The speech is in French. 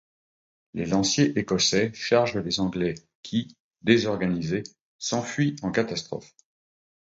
Les lanciers écossais chargent les Anglais qui, désorganisés, s'enfuient en catastrophe.